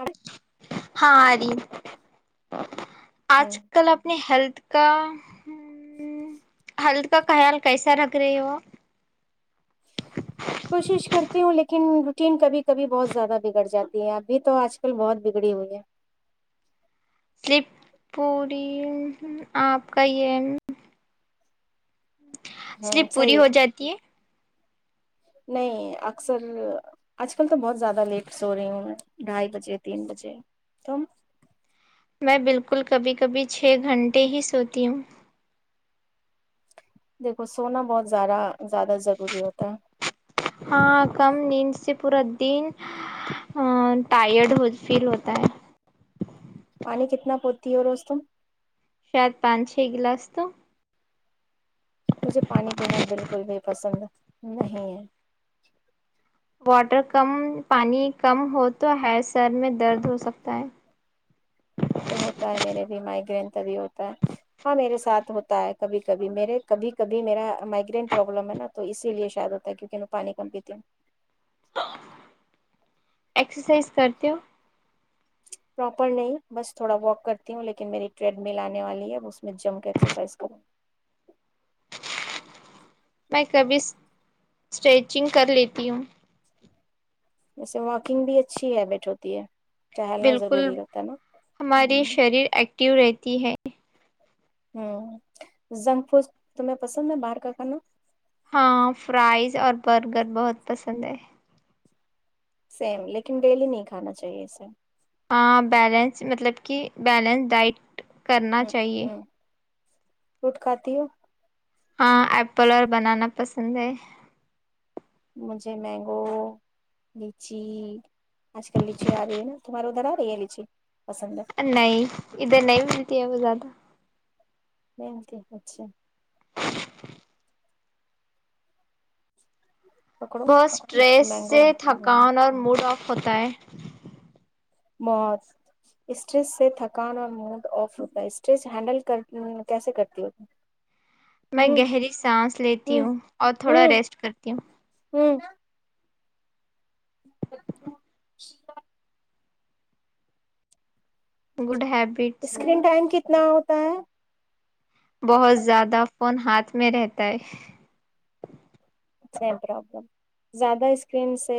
ا ہاں ااری آج ہوں کل اپنی ہیلتھ کا ہاں ہلت کا خیال کیسا رکھ رہی ہو کوشش کرتی ہوں لیکن روٹین کبھی کبھی بہت زیادہ بگڑ جاتی ہے ابھی تو آج کل بہت بگڑی ہوئی ہے سلپ پوری آپ کا یہ ہوں سلیپ پوری صحیح ہو جاتی ہے نہیں اکثر آج کل تو بہت زیادہ لیٹ سے ہو رہی ہوں ڈھائی بجے تین بجے تو ہم میں بالکل کبھی کبھی چھ گھنٹے ہی سوتی ہوں دیکھو سونا بہت زیادہ زیادہ ضروری ہوتا ہے ہاں کم نیند سے پورا تین ٹائرڈ فیل ہوتا ہے پانی کتنا پہ تو روستم شید پان چھ گلاس تو مجھے پانی پینا بالکل بھی پسند ہے نہیں واٹر کم پانی کم ہو تو ہے سر میں درد ہو سکتا ہے تو ہوتا ہے میرے مائگرین تبھی ہوتا ہے ہاں میرے ساتھ ہوتا ہے کبھی کبھی میرے کبھی کبھی میرا مائگرین پرابلم ہے نا تو اسی لیے شاید ہوتا ہے کیونکہ میں پانی کم پیتی ہوں ایکسرسائز سدو [unintelligible] پراپر نہیں بس تھوڑا واک کرتی ہوں لیکن میری ٹریڈ مل آنے والی ہے اس میں جم ایکسرسائز کروں میں کبھی اسٹریچنگ کر لیتی ہوں ویسے واکنگ بھی اچھی ہیبٹ ہوتی ہے ٹہلنا بالکل ضروری رہتا ہے نا ہمارے شریر ایکٹو رہتی ت ہے [unintelligible] ہ زنک فوس تمہیں پسند ہے باہر کا کھانا [unintelligible] ہاں فرائز اور برگر بہت پسند ہے سیم لیکن ڈیلی نہیں کھانا چاہیے اسے بیلنس مطلب کہ بیلنس ڈائٹ کرنا چاہیے لٹکاتی ہوں [unintelligible] ہاں ایپل اور بنانا پسند ہے مجھے مینگو لچی آج کل لچی آ رہی ہے نا تمہاراری ادھر آ رہی ہے لیچی پسند ہے نہیں ادھر نہیں ملتی ہے وہ زیادہ [inaudible] مینتی ہوھ [unintelligible] [inaudible] پکڑو بہت کچھ اسٹریس سے مینگو تھکان اور موڈ آف ہوتا ہے موت اسٹریج سے تھکان اور موڈ آف ہوتا ہے اسٹج ہینڈل کیسے کرتی ہوتی میں گہری سانس لیتی ہوں اور تھوڑا ہوں ریسٹ کرتی ہوں ہوں [inaudible] گڈب [unintelligible] اسکرین ٹائم کتنا ہو بہت زیادہ فون ہاتھ میں رہتا ہے س پرابلم زیادہ اسکرین سے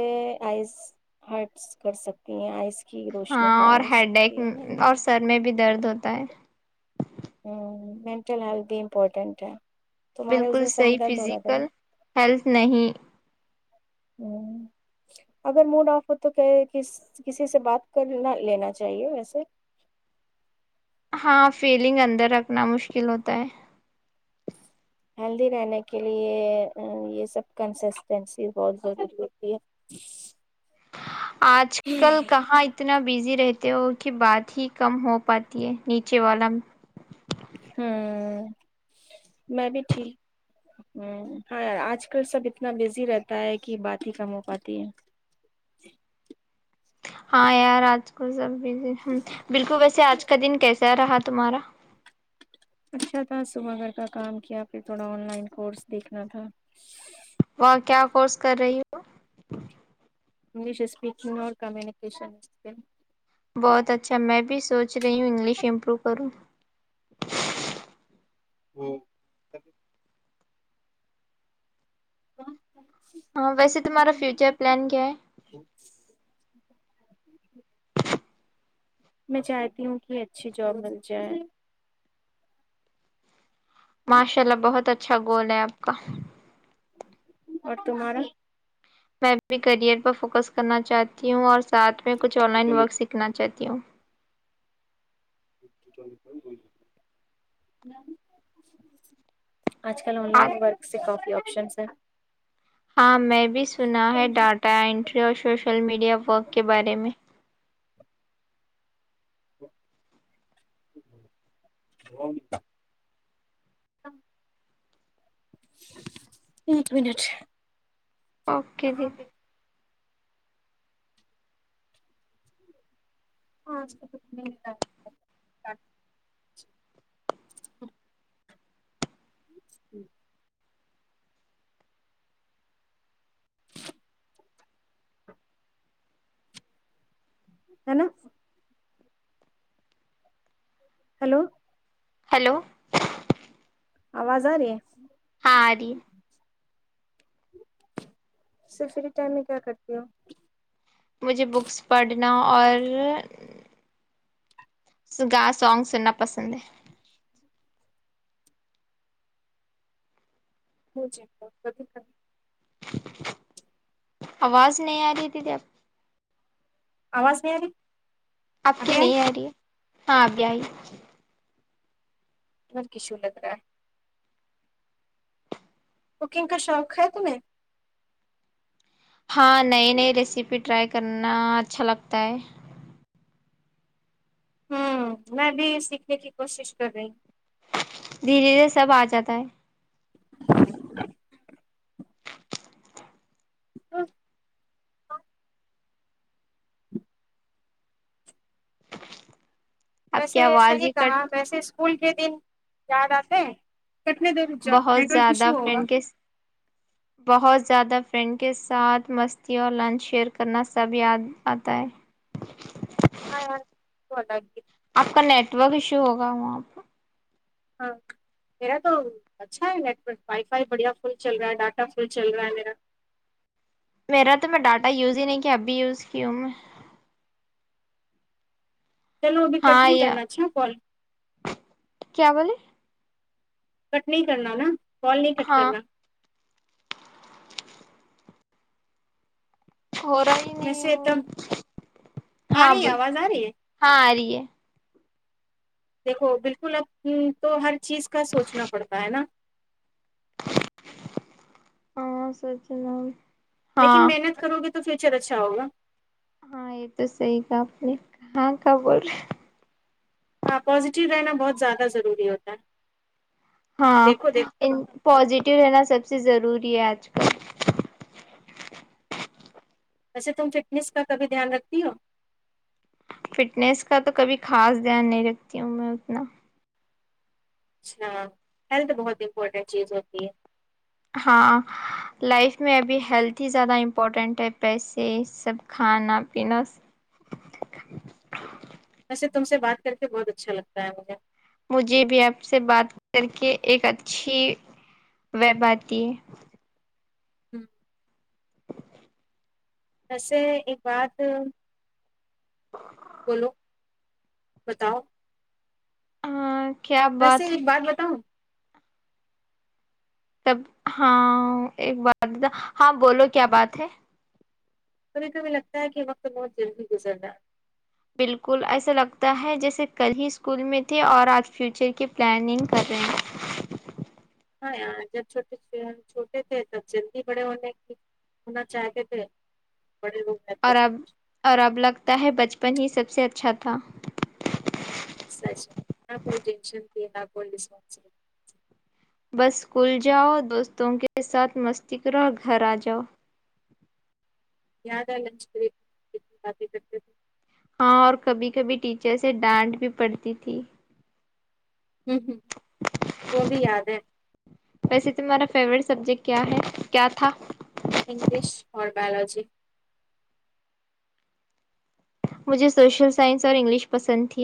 آئز ہرٹس کر سکتی ہیں آئس [unintelligible] ہاں اور خراب ہو ہیڈ ایک سکتی ہے اور سر میں بھی درد ہوتا ہے مینٹل ہیلتھ بھی امپورٹنٹ ہے تمہارے اس بالکل دن سر میں صحیح درد ہو رہا تھا فزیکل ہیلتھ نہیں اگر موڈ آف ہو تو کہ کسی سے بات کرنا لینا چاہیے ویسے ہاں فیلنگ اندر رکھنا مشکل ہوتا ہے ہیلدی رہنے کے لیے یہ سب کنسسٹینسی بہت ضروری ہوتی ہے آج کل کہاں اتنا بزی رہتی کی بات ہی کم ہو پاتی ہے نیچے والا ہوں میں بھی ٹھیک ہ ہاں آج کل سب اتنا بزی رہتا ہے کہ بات ہی کم ہو پاتی ہے ہاں یار آج کو سب ہ بالکل ویسے آج کا دن کیسے آ رہا تھا تمار اچھا تھا صبح گھر کا کام کیا پھر تھوڑا آن لائن کورس دیکھنا تھا وہاں کیا کورس کر رہی ہو انگش اسپیکنگ اور کمکیشن اسک بہت اچھا میں بھی سوچ گشمپرو کرو ہوں ہ ہاں ویسے تہارا فیوچر پلان کیا ہے [unintelligible] میں چاہتی ہوں کہ اچھی جاب مل جائے ماشاء اللہ بہت اچھا گول ہے اب کک اور تمہارا میں بھی کریئر پر فوکس کرنا چاہتی ہوں اور سھ میں کچھ آن لائن ورک سیکھنا چاہی کیو [unintelligible] آج کل آن لائن ورک سے کافی ہوتی اشم سر ہاں میں بھی سنا ہے ڈاٹا انینٹری اور سوشل میڈیا ورک کے بارے میں ہ ایک منٹ اوکے جی کہاں پہ ہاں اس ہی ہے نا ہلو ہلو آواز آ ری ہاں ج اسر فری ٹائم میں کیا کرتی ہوں مجھے بکس پڑھنا اور سگا سانگ سننا پسند ہے ج جی ب ک کر [unintelligible] آواز نہیں آ رہی تھی ت اب آواز اری آبپ کی نہیں آ رہی ہے ہاں اب ہی تار کی س لگ رہا [unintelligible] کوکنگ کا شوق ہے تمیں ہاں نئی نئی ریسیپی ٹرائی کرنا اچھا لگتا ہے ہوں میں بھی سیکھنے کی کوشش کر رہی ہ دھیرے دھیرے سب آ جاتا ہے [unintelligible] ہ [unintelligible] آپ کی ویسے آواز صحیح ہی کٹ کہا ویسے کول کے دن جاے بہت زیادہ فرینڈ کے بہت زیادہ فرینڈ کے ساتھ مستی اور لنچ شیئر کرنا سب یاد آتا ہے آاں [unintelligible] آپ کا نیٹورک ایشو ہوگا وہاں پ ہاں میرا تو اچھا ہے نیٹورک وائی فائی بڑھیا فل چل رہا ہے ڈاٹا فل چل رہا ہے میرا میرا تو میں ڈاٹا یوز ہی نہیں کیا اب بھی یوز کی ہوں میں چلو ابھی کٹ ہاں نہیں یا کرنا اچھا کال کیا بولے کٹ نہیں کرنا نا کال نہیں کٹ ہاں کرنا ہو رہا ہی نہیں ویسے تب ہ آ ہاں رہی ہے بول آواز آ رہی ہے ہاں آ رہی ہے دیکھو بالکل اب تو ہر چیز کا سوچنا پڑتا ہے نا ہاں سوچ نام [unintelligible] لیکن محنت کرو گے تو پھر اچر اچھا ہوگا [unintelligible] ہاں یہ تو صحی کہپ نے کہاں کہ بول رہے آپ [unintelligible] پوازیٹیو رہنا بہت زیادہ ضوری ہے س [unintelligible] ہاں پازیٹیو رہ نا سب سب سے ضروری ہے آج کل ویسے تم فٹنس کا کبھی دھیان رکھتی ہو فٹنیس کا تو کبھی خاص دھیان نہیں رکھتی ہوں میں اتنا اچھا ہیلتھ بہت امپورٹنٹ چیز ہوتی ہے ہاں لائف میں ابھی ہیلتھ ہی زیادہ امپورٹینٹ ہے پیسے سب کھانا پینا ویسے تم سے بات کر کے بہت اچھا لگتا ہے مجھے مجھے بھی آپ سے بات کر کے ایک اچھی ویب آتی ہے [inaudible] ویسے ایک بات بولو بتاؤ ہاں کیا ویسے ہے ایک بات بتاؤں تب ہاں ایک بات ہاں بولو کیا بات ہے کبھی کبھی لگتا ہے کہ وقت بہت جلدی گزرنا بالکل ایسا لگتا ہے جیسے کل ہی اسکول میں تھے اور آج فیوچر کی پلاننگ کر رہے ہاں یار جب چھوٹ چھوٹے تھے تب جلدی بڑے ہونے کی ہونا چاہتے تھے بڑے ہو گئے تھے اور اب اور اب لگتا ہے بچپن ہی سب سے اچھا تھا نہ کوئی ٹینشن پھی نہ کوئی رسپ بس اسکول جاؤ دوستوں کے ساتھ مستی کرو اور گھر آ جاؤ یہاںد لنچ بیک باتیں کرتے ہیں ہاں اور کبھی کبھی ٹیچر سے ڈانٹ بھی پڑتی تھی ہوں ہوں وہ بھی یاد ہے ویسے تمہارا فیوریٹ سبجیکٹ کیا ہے کیا تھا انگلش [inaudible] مجھے سوشل سائنس اور انگلش پسند تھی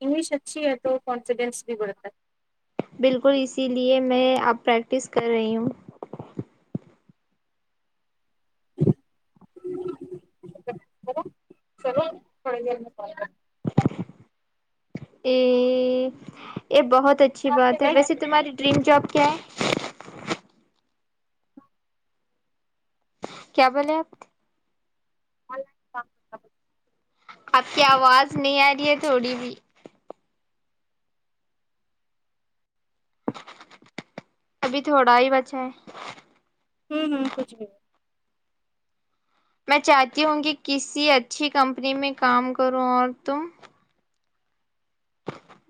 انگلش اچھی ہے تو کانفیڈینس بھی بڑھتا ہے بالکل اسی لیے میں اب پریکٹس کر رہی ہوں ا سلو تھڑ گ میں یہ بہت اچھی بات کرتے ہے ویس ہیں۔ تمہاری ڈریم جاب [inaudible] کیا بولے آپ [inaudible] آپ کی آواز نہیں آ رہی ہے تھوڑی بھی ابھی تھوڑا ہی بچ ہے ہاں ہاں کچھ بھ میں چاہتی ہوں گی کسی اچھی کمپنی میں کام کروں اور تم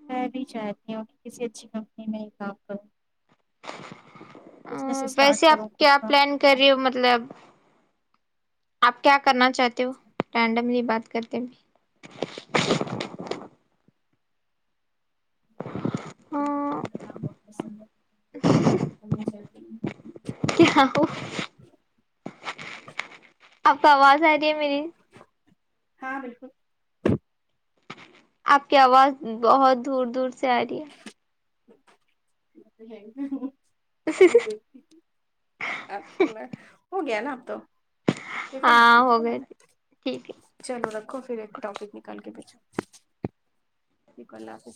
میں بھی چاہتی ہوں کہ کسی اچھی کمپنی میں ہی کام کروں [inaudible] ا بزنس ویسے اسٹارٹ آپ کروں خود کیا کا پلان کر رہی ہو مطلب آپ کیا کرنا چاہتے ہو رینڈملی بات کرتے ہاں کا بہت پسند ہے ک کا برانڈ کرنا چاہتی کیا ہو؟ اچھ آب کو آواز آ رہی ہے میری ہاں بالکل آپ کی آواز بہت دور دور سے آ رہی ہے ہے کند اپنا ہو گیا نا آپ تو دیکھو نا ہاں ٹائم ہو گئے ٹھیک ہے چلو رکھو پھر ایک ٹاپک نکال کے بیچ یہ کلاق